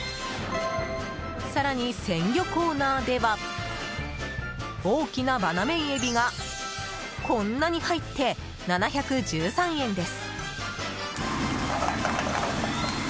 更に鮮魚コーナーでは大きなバナメイエビがこんなに入って７１３円です。